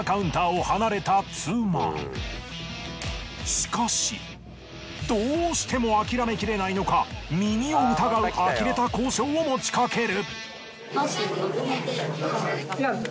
しかしどうしても諦めきれないのか耳を疑うあきれた交渉を持ちかける。